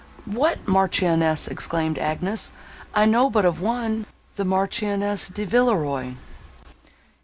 "What Marchioness?" exclaimed Agnes, "I know but of one—the Marchioness de Villeroi."